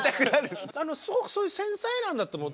すごくそういう繊細なんだと思う。